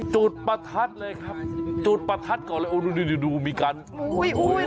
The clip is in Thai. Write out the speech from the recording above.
จุดประทัดเลยครับจุดประทัดก่อนเลยโอ้ดูนี่ดูมีการโอ้ยโอ้ย